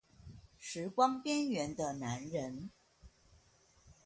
時光邊緣的男人